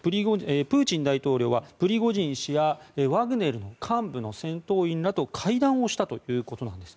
プーチン大統領はプリゴジン氏やワグネルの幹部の戦闘員らと会談をしたということなんです。